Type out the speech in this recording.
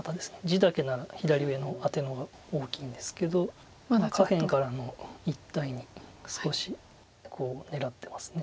地だけなら左上のアテの方が大きいんですけどまだ下辺からの一帯に少し狙ってます。